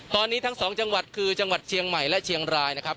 ตอนนี้ทั้งสองจังหวัดคือจังหวัดเชียงใหม่และเชียงรายนะครับ